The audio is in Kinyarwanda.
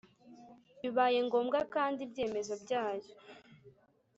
Bibaye ngombwa kandi ibyemezo byayo